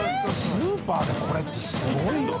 スーパーでこれってすごいよね。